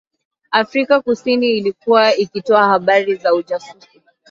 Afrika kusini ilikuwa ikitoa habari za ujasusi